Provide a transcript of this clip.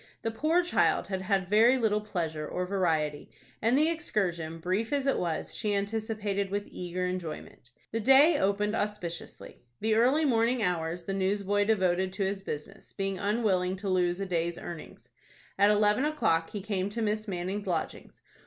The poor child had had very little pleasure or variety, and the excursion, brief as it was, she anticipated with eager enjoyment. The day opened auspiciously. The early morning hours the newsboy devoted to his business, being unwilling to lose a day's earnings. At eleven o'clock he came to Miss Manning's lodgings.